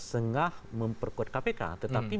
sengah memperkuat kpk tetapi